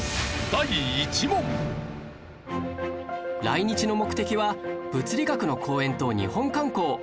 来日の目的は物理学の講演と日本観光